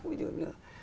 ví dụ như